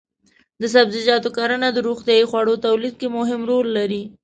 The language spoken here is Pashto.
د سبزیجاتو کرنه د روغتیايي خوړو تولید کې مهم رول لري.